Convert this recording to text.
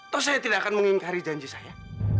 tau saya tidak akan menginginkari janji saya